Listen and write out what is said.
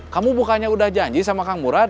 kau bukanya udah janji sama kang murad